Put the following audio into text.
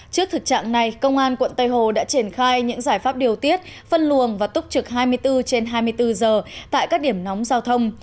trước thực trạng này công an quận tây hồ đã triển khai những giải pháp điều tiết phân luồng và túc trực hai mươi bốn trên hai mươi bốn giờ tại các điểm nóng giao thông